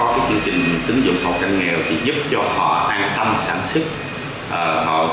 chương trình tín dụng hộ cận nghèo giúp cho họ an tâm sản xuất